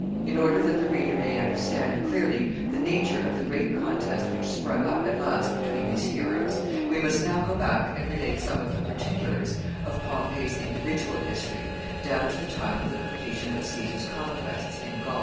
In order that the reader may understand clearly the nature of the great contest which sprung up at last between these heroes, we must now go back and relate some of the particulars of Pompey's individual history down to the time of the completion of Caesar's conquests in Gaul.